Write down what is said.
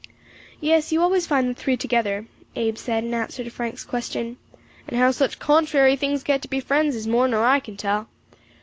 "Yes, you always find the three together," Abe said, in answer to Frank's question, "and how such contrary things get to be friends is more nor I can tell.